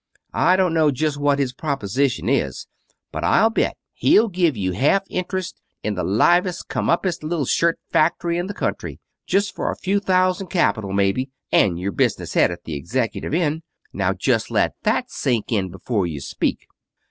I don't know just what his proposition is, but I'll bet he'll give you half interest in the livest, come upest little skirt factory in the country, just for a few thousands capital, maybe, and your business head at the executive end. Now just let that sink in before you speak."